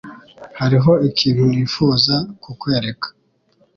Hariho ikintu nifuza kukwereka.